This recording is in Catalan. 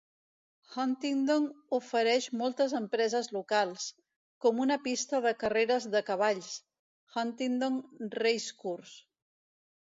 Huntingdon ofereix moltes empreses locals, com una pista de carreres de cavalls, Huntingdon Racecourse.